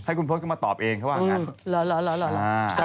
ให้คุณพลตก็มาตอบเองเขาว่าอย่างนั้น